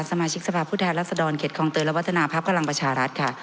สมาชิกสภาพผู้แทนรับสะดอนเข็ดของเตรียมและวัฒนาภาพกำลังประชารัฐค่ะ